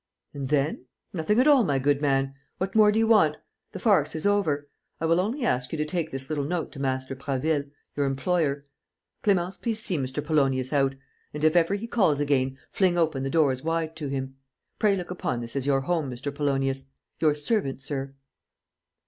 "And then? Nothing at all, my good man.... What more do you want? The farce is over. I will only ask you to take this little note to Master Prasville, your employer. Clémence, please show Mr. Polonius out. And, if ever he calls again, fling open the doors wide to him. Pray look upon this as your home, Mr. Polonius. Your servant, sir!..."